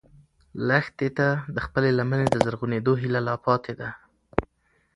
لښتې ته د خپلې لمنې د زرغونېدو هیله لا پاتې ده.